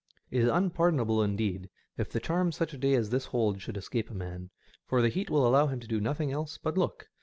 It is unpardon able indeed if the charm such a day as this holds should escape a man, for the heat will allow him to do nothing else but look.